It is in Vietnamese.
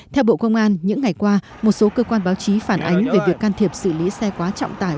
theo bộ công an những ngày qua một số cơ quan báo chí phản ánh về việc can thiệp xử lý xe quá trọng tải